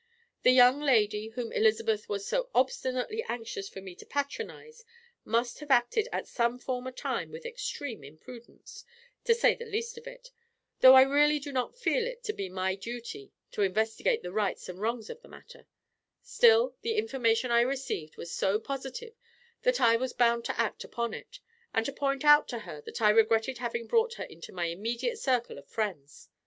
The young lady whom Elizabeth was so obstinately anxious for me to patronize must have acted at some former time with extreme imprudence, to say the least of it, though I really do not feel it to be my duty to investigate the rights and wrongs of the matter; still, the information I received was so positive, that I was bound to act upon it, and to point out to her that I regretted having brought her into my immediate circle of friends.